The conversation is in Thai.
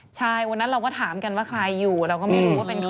ใช่วันนั้นเราก็ถามกันว่าใครอยู่เราก็ไม่รู้ว่าเป็นใคร